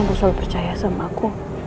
aku selalu percaya sama aku